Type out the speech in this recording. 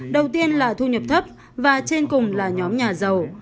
đầu tiên là thu nhập thấp và trên cùng là nhóm nhà giàu